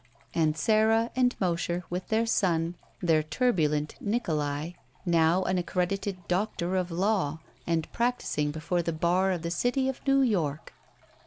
And Sara and Mosher with their son, their turbu lent Nikolai, now an accredited Doctor of Law and practicing before the bar of the city of New York